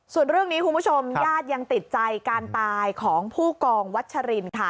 ส่วนเรื่องนี้คุณผู้ชมญาติยังติดใจการตายของผู้กองวัชรินค่ะ